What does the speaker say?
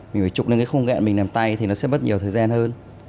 mình phải trục lên cái khung gẹn mình làm tay thì nó sẽ mất nhiều thời gian hơn